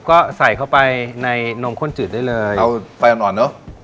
ก็ใส่เข้าไปในนมข้นจืดได้เลยเอาไฟอ่อนอ่อนเนอะ